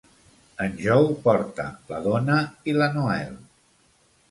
En Joe porta la Donna i la Noelle.